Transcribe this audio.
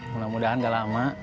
mudah mudahan gak lama